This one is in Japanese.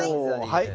はい。